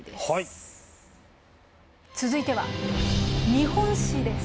続いては「日本史」です。